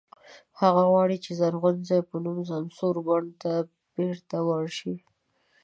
هغه غواړي چې د "زرغون ځای" په نوم سمسور بڼ ته بېرته ورشي.